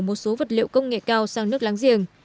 một số vật liệu công nghệ cao sang nước láng giềng